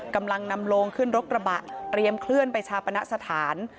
กำลังนำโลงขึ้นรถกระบะเตรียมเคลื่อนไปชาปณะสถาน